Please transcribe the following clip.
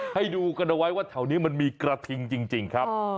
ให้ดูกันเอาไว้ว่าแถวนี้มันมีกระทิงจริงครับ